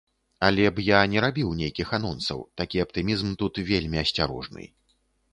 Але б я не рабіў нейкіх анонсаў, такі аптымізм тут вельмі асцярожны.